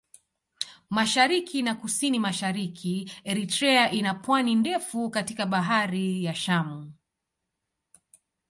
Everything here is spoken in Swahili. Mashariki na Kusini-Mashariki Eritrea ina pwani ndefu katika Bahari ya Shamu.